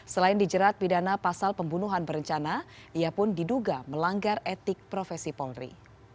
selain dijerat pidana pasal pembunuhan berencana ia pun diduga melanggar etik profesi polri